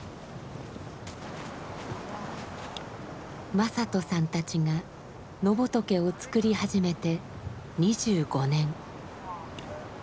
正人さんたちが野仏をつくり始めて２５年。